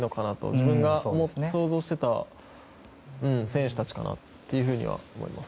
自分が想像していた選手たちかなっていうふうには思います。